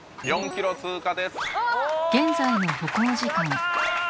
４ｋｍ通過ですおっ